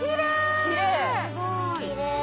きれい。